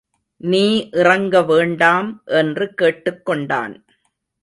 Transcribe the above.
நீ இறங்க வேண்டாம் என்று கேட்டுக் கொண்டான்.